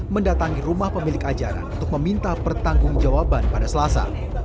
mendatangi rumah pemilik ajaran untuk meminta pertanggung jawaban pada selasa